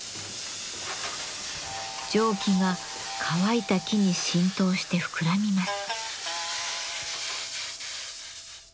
蒸気が乾いた木に浸透して膨らみます。